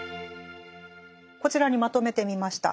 こちらにまとめてみました。